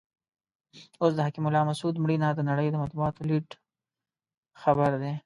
اوس د حکیم الله مسود مړینه د نړۍ د مطبوعاتو لیډ خبر دی.